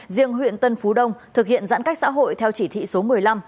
riêng huyện tân phú đông thực hiện giãn cách xã hội theo chỉ thị số một mươi năm